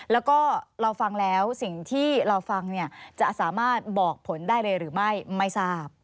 แล้วก็เราฟังแล้วสิ่งที่เราฟังจะสามารถบอกผลได้เลยหรือไม่ไม่ทราบ